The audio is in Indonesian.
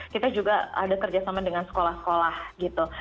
kita juga ada kerjasama dengan sekolah sekolah gitu